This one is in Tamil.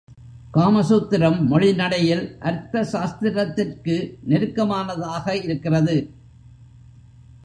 காமசூத்திரம் மொழிநடையில் அர்த்தசாஸ்த்திரத்திற்கு நெருக்கமானதாக இருக்கிறது.